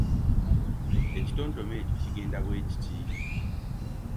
Ekitontome ekyo kigenda bwe kiti